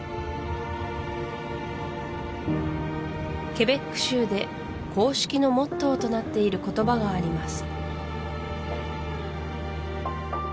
ケベック州で公式のモットーとなっている言葉があります